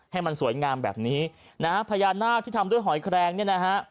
ให้มันสวยงามแบบนี้นะฮะพญานาคที่ทำด้วยหอยแครงเนี่ยนะฮะ